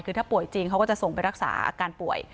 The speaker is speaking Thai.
คือถ้าป่วยจริงเขาก็จะส่งไปรักษาอาการป่วย